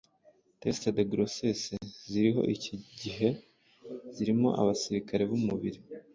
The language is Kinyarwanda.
teste de grossesse ziriho iki gihe zirimo abasirikare b’umubiri